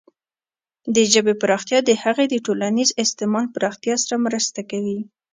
د ژبې پراختیا د هغې د ټولنیز استعمال پراختیا سره مرسته کوي.